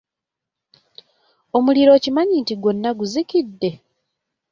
Omuliro okimanyi nti gwonna guzikidde?